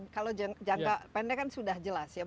kalau jangka pendek kan sudah jelas ya